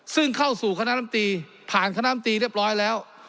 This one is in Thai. ซึ่งเข้าสู่คณะลำตีผ่านคณะมตีเรียบร้อยแล้ว